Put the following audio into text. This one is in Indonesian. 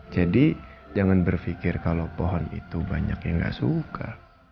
jadi jangan berpikir kalau pohon itu banyak yang gak suka